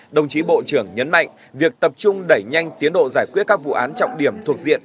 đồng chí bộ trưởng nhấn mạnh việc tập trung đẩy nhanh tiến độ giải quyết các vụ án trọng điểm thuộc diện